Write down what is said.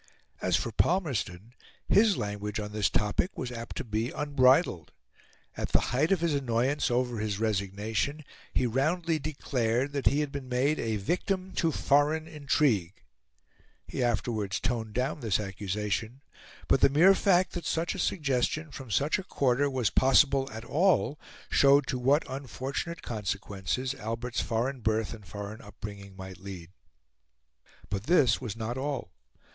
As for Palmerston, his language on this topic was apt to be unbridled. At the height of his annoyance over his resignation, he roundly declared that he had been made a victim to foreign intrigue. He afterwards toned down this accusation; but the mere fact that such a suggestion from such a quarter was possible at all showed to what unfortunate consequences Albert's foreign birth and foreign upbringing might lead. But this was not all.